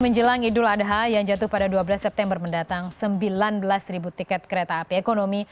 menjelang idul adha yang jatuh pada dua belas september mendatang sembilan belas tiket kereta api ekonomi